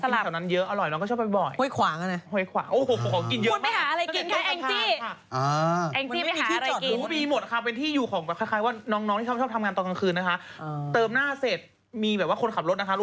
แล้วก็หาอะไรของของกินเที่ยวนั้นเยอะอร่อยน้องก็ชอบไปบ่อย